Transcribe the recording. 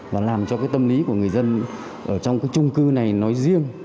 và làm cho cái tâm lý của người dân ở trong cái trung cư này nói riêng